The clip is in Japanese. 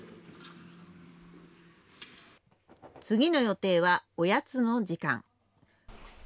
次の予定はおやつの時間。